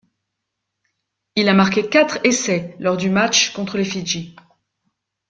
Il a marqué quatre essais lors du match contre les Fidji.